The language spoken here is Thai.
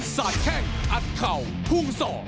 สาดแข้งอัดเข่าพุ่งศอก